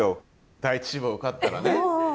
第一志望受かったらね。